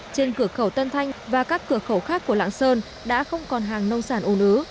trên cửa khẩu tân thanh và các cửa khẩu khác của lạng sơn đã không còn hàng nông sản ủ ứ